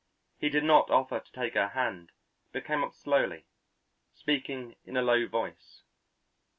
He did not offer to take her hand, but came up slowly, speaking in a low voice.